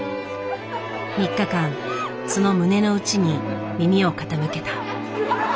３日間その胸の内に耳を傾けた。